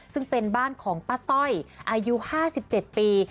ซึ่งเป็นบ้านของป้าต้อยอายุ๕๗ปี